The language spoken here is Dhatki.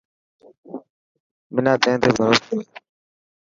منان تين تي ڀروسو هي.